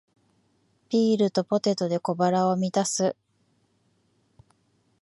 ビールとポテトで小腹を満たす